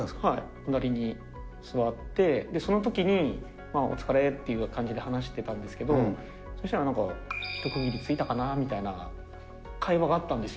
隣に座って、そのときに、お疲れっていう感じで話してたんですけど、そしたらなんか、一区切りついたかなみたいな会話があったんですよ。